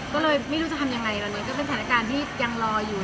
ก็เลยไม่รู้จะทำยังไงตอนนี้ก็เป็นสถานการณ์ที่ยังรออยู่